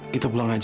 kita pulang aja